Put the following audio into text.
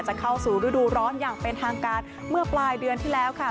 เข้าสู่ฤดูร้อนอย่างเป็นทางการเมื่อปลายเดือนที่แล้วค่ะ